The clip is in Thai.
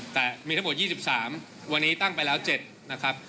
แต่มีทั้งหมด๒๓วันนี้ตั้งไปแล้ว๗นะครับ